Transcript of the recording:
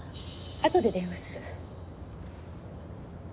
あとで電話する。